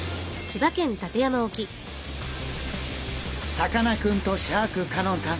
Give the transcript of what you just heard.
さかなクンとシャーク香音さん